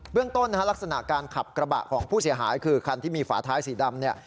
เรื่องต้นลักษณะการขับกระบะของผู้เสียหายคือคันที่มีฝาท้ายสีดำเนี่ย